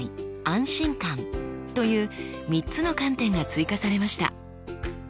「安心感」という３つの観点が追加されました。